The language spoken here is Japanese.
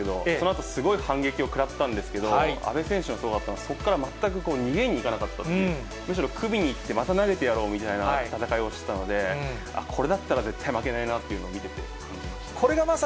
このあとすごい反撃を食らったんですけど、阿部選手がすごかったのは、そこから全く逃げにいかなかったという、むしろ組みにいって、また投げてやろうみたいな戦いをしてたので、これだったら絶対負けないなっていうのを見てて感じました。